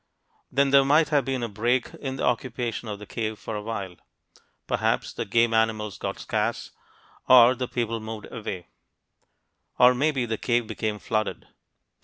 Then there might have been a break in the occupation of the cave for a while. Perhaps the game animals got scarce and the people moved away; or maybe the cave became flooded.